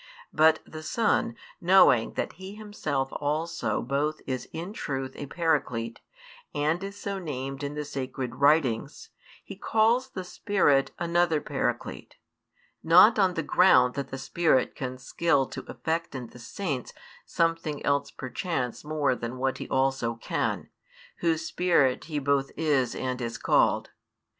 But [the Son] knowing that He Himself also both is in truth a Paraclete and is so named in the Sacred Writings, He calls the Spirit another Paraclete; not on the ground that the Spirit can skill to effect in the Saints something else perchance more than what He also can, Whose Spirit He both is and is called.